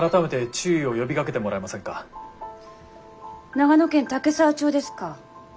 長野県岳沢町ですか。